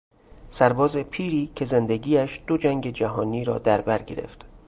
سرباز پیری که زندگیش دو جنگ جهانی را دربر گرفت